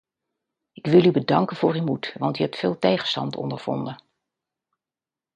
Ik wil u bedanken voor uw moed, want u hebt veel tegenstand ondervonden.